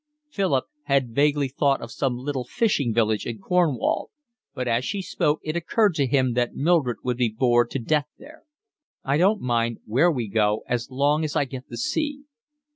Philip had vaguely thought of some little fishing village in Cornwall, but as she spoke it occurred to him that Mildred would be bored to death there. "I don't mind where we go as long as I get the sea."